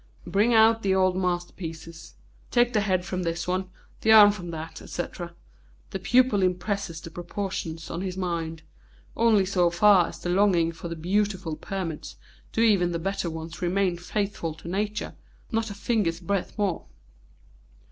Bring out the old masterpieces. Take the head from this one, the arm from that, etc. The pupil impresses the proportions on his mind. Only so far as the longing for the beautiful permits do even the better ones remain faithful to Nature, not a finger's breadth more."